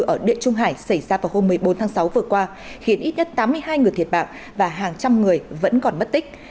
ở địa trung hải xảy ra vào hôm một mươi bốn tháng sáu vừa qua khiến ít nhất tám mươi hai người thiệt mạng và hàng trăm người vẫn còn mất tích